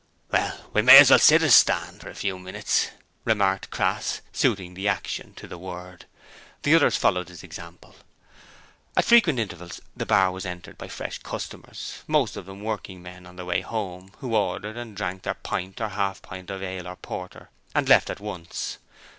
'Well, we may as well sit as stand for a few minutes,' remarked Crass, suiting the action to the word. The others followed his example. At frequent intervals the bar was entered by fresh customers, most of them working men on their way home, who ordered and drank their pint or half pint of ale or porter and left at once.